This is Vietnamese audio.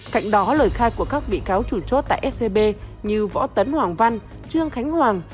cạnh đó lời khai của các bị cáo chủ chốt tại scb như võ tấn hoàng văn trương khánh hoàng